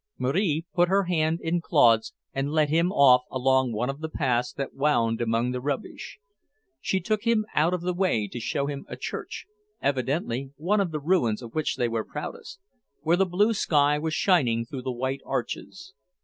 Marie put her hand in Claude's and led him off along one of the paths that wound among the rubbish. She took him out of the way to show him a church, evidently one of the ruins of which they were proudest, where the blue sky was shining through the white arches.